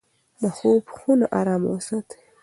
د خوب خونه ارامه وساتئ.